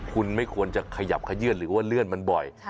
คุณไม่ควรจะขยับขยื่นหรือว่าเลื่อนมันบ่อย